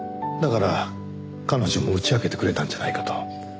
だから彼女も打ち明けてくれたんじゃないかと。